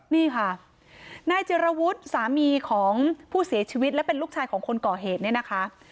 นี่ค่ะนายเจรวุฒิสามีของผู้เสียชีวิตและเป็นลูกชายของคนก่อเหตุเนี่ยนะคะ